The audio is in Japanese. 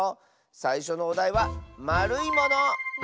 さいしょのおだいは「まるいもの」！